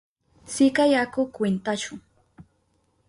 Sikay, aku kwintashu.